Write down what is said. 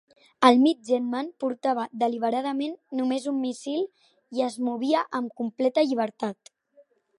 El Midgetman portava deliberadament només un míssil i es movia amb completa llibertat.